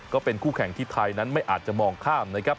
ก็เป็นคู่แข่งที่ไทยนั้นไม่อาจจะมองข้ามนะครับ